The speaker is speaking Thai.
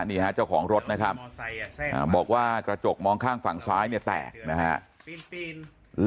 นี่ฮะเจ้าของรถนะครับบอกว่ากระจกมองข้างฝั่งซ้ายเนี่ยแตกนะฮะ